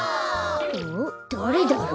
おっだれだろう？